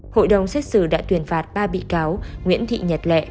hội đồng xét xử đã tuyên phạt ba bị cáo nguyễn thị nhật lệ